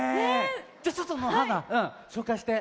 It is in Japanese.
じゃちょっとのはーなしょうかいして。